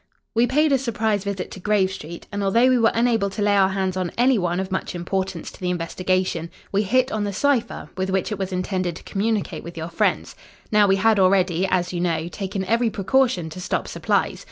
"We paid a surprise visit to Grave Street, and, although we were unable to lay our hands on any one of much importance to the investigation, we hit on the cipher with which it was intended to communicate with your friends. Now, we had already, as you know, taken every precaution to stop supplies.